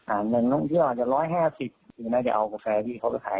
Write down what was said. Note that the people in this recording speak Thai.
อ่านั่งน้องเที่ยวอาจจะร้อยแห้วสิบคือน่าจะเอากาแฟที่เขาไปขาย